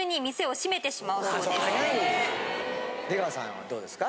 出川さんはどうですか？